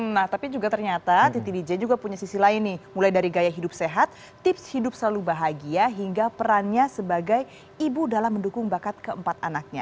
nah tapi juga ternyata titi dj juga punya sisi lain nih mulai dari gaya hidup sehat tips hidup selalu bahagia hingga perannya sebagai ibu dalam mendukung bakat keempat anaknya